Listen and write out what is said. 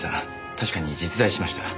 確かに実在しました。